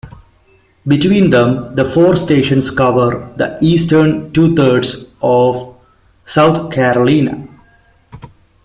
Between them, the four stations cover the eastern two-thirds of South Carolina.